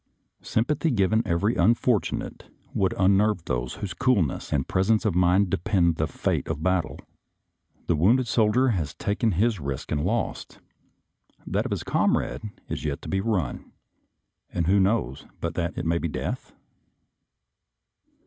Sympathy given every unfortunate would unnerve those on whose coolness and presence of mind depend the irBXAS In tsb battle of the wilderness 235 fate of battle. The wounded soldier has taken his risk and lost; that of his comrade is yet to be run, and who knows but that it may be death?